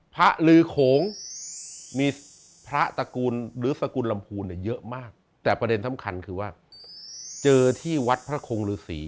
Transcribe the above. พระรืขงมีพระตะกุลสกุลรำภูนิเยอะมากแต่ประเด็นสำคัญคือว่าเจอที่วัดพระครงลูศี